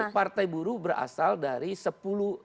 kita ini partai baru berasal dari sepuluh juta